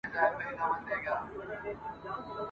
موږ اولاد د مبارک یو موږ سیدان یو !.